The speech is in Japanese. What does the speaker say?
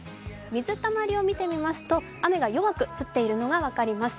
水たまりを見てみますと、雨が弱く降っているのが分かります。